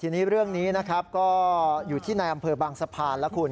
ทีนี้เรื่องนี้นะครับก็อยู่ที่ในอำเภอบางสะพานแล้วคุณ